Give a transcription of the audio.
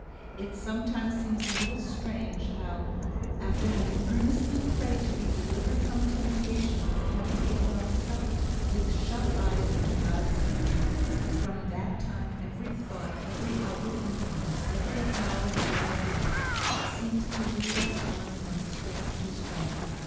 It sometimes seems a little strange how, after having earnestly prayed to be delivered from temptation, and having given ourselves with shut eyes into God's hand, from that time every thought, every outward influence, every acknowledged law of life, seems to lead us on from strength to strength.